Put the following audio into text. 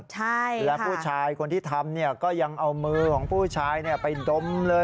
ใช่และผู้ชายคนที่ทำเนี่ยก็ยังเอามือของผู้ชายไปดมเลย